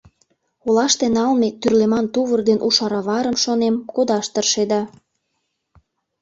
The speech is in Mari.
Олаште налме тӱрлеман тувыр ден у шароварым, шонем, кодаш тыршеда.